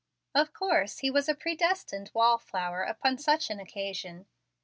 Of course he was a predestined "wall flower" upon such an occasion.